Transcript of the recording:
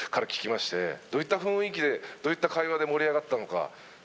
どういった雰囲気でどういった会話で盛り上がったのか。